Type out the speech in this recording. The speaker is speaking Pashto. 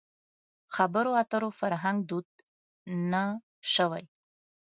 خبرو اترو فرهنګ دود نه شوی.